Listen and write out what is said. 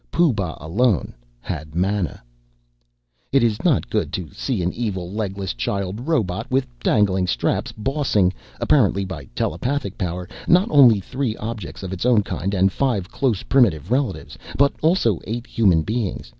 Pooh Bah alone had mana. It is not good to see an evil legless child robot with dangling straps bossing apparently by telepathic power not only three objects of its own kind and five close primitive relatives, but also eight human beings